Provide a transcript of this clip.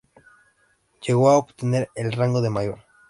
Llegó a obtener el rango de mayor.